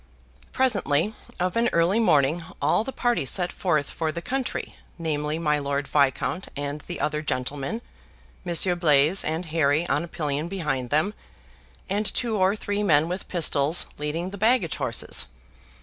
Presently, of an early morning, all the party set forth for the country, namely, my Lord Viscount and the other gentleman; Monsieur Blaise and Harry on a pillion behind them, and two or three men with pistols leading the baggage horses.